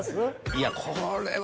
いやこれは。